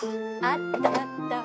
あった！